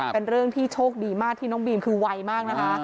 เป็นเรื่องที่โชคดีมากที่น้องบีมคือไวมากนะคะ